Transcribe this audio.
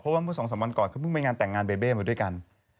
เพราะว่าเมื่อ๒๓วันก่อนเขาเพิ่งไปส่องงานเบบเร่มด้วยกัน